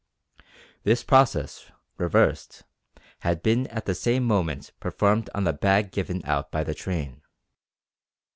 This process, reversed, had been at the same moment performed on the bag given out by the train.